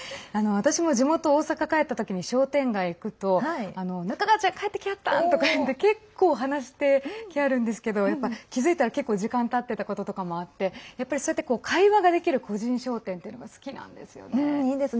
私も地元・大阪帰ったときに商店街、行くと中川ちゃん、帰ってきはった！とか言って結構、話してきはるんですけど気付いたら、結構時間たってたこととかもあってそうやって会話ができる個人商店というのが好きなんですよね。